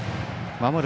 守る